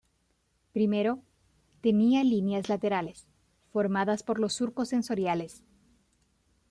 Primero, tenía líneas laterales formadas por los surcos sensoriales.